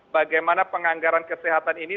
bagaimana penganggaran kesehatan ini